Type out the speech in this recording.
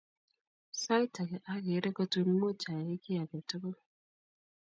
Sait age ageree, kotuni muuch ayay kiy age tugul